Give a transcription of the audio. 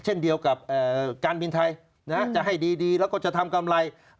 เช่นเดียวกับการบินไทยจะให้ดีแล้วก็จะทำกำไร